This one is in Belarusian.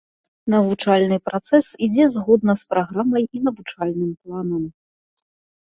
Навучальны працэс ідзе згодна з праграмай і навучальным планам.